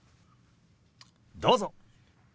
どうぞ。